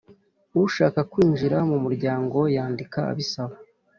Ushaka kwinjira mu muryango yandika abisaba